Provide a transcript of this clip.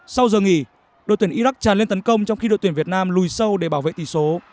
sau giờ nghỉ đội tuyển iraq tràn lên tấn công trong khi đội tuyển việt nam lùi sâu để bảo vệ tỷ số